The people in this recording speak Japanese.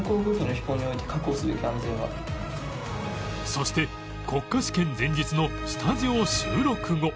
そして国家試験前日のスタジオ収録後